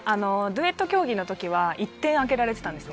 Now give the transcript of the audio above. デュエット競技の時は１点あけられてたんですね。